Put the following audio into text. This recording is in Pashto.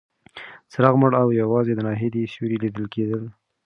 څراغ مړ و او یوازې د ناهیلۍ سیوري لیدل کېدل.